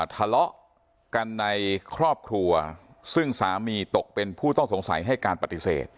ทะเลาะกันในครอบครัวซึ่งสามีตกเป็นผู้ต้องสงสัยให้การปฏิเสธ